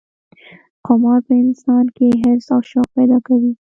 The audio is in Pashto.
قمار په انسان کې حرص او شوق پیدا کوي.